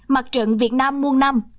mặt trận việt nam muôn năm